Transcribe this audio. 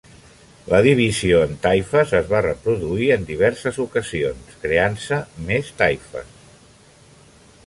La divisió en taifes es va reproduir en diverses ocasions, creant-se més taifes.